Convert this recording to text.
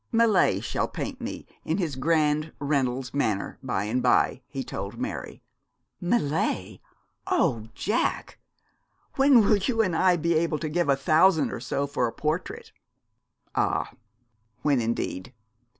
'Millais shall paint me in his grand Reynolds manner by and by,' he told Mary. 'Millais! Oh, Jack! When will you and I be able to give a thousand or so for a portrait?' 'Ah, when, indeed?